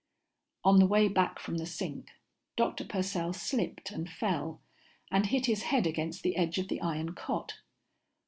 On the way back from the sink, Dr. Purcell slipped and fell and hit his head against the edge of the iron cot.